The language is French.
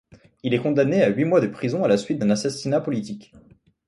Il est condamné à huit mois de prison à la suite d'un assassinat politique.